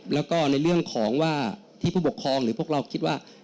แล้วก็ในเรื่องของว่าที่ผู้ปกครองหรือพวกเราคิดว่า